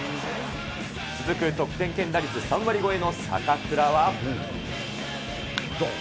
続く、得点圏打率３割超えの坂倉は。